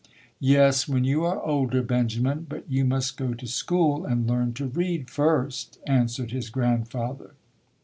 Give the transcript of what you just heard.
"Yes, when you are older, Benjamin. But you must go to school and learn to read first", an swered his grandfather.